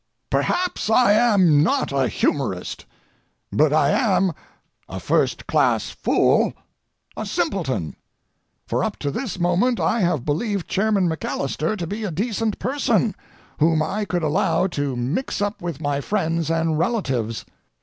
Perhaps I am not a humorist, but I am a first class fool—a simpleton; for up to this moment I have believed Chairman MacAlister to be a decent person whom I could allow to mix up with my friends and relatives.